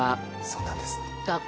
そうなんですはい。